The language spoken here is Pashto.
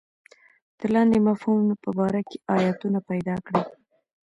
د لاندې مفهومونو په باره کې ایتونه پیدا کړئ.